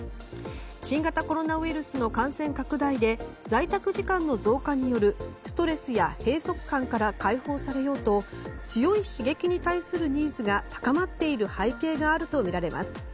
新型コロナウイルスの感染拡大で在宅時間の増加によるストレスや閉塞感から解放されようと強い刺激に対するニーズが高まっている背景があるとみられます。